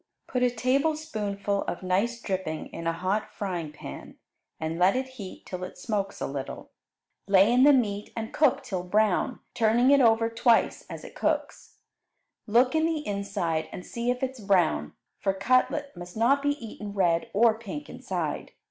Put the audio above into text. Put a tablespoonful of nice dripping in a hot frying pan, and let it heat till it smokes a little. Lay in the meat and cook till brown, turning it over twice as it cooks. Look in the inside and see if it is brown, for cutlet must not be eaten red or pink inside.